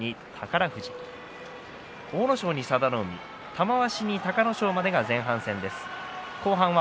玉鷲、隆の勝までが前半戦。